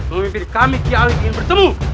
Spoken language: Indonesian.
pemimpin kami kialing ingin bertemu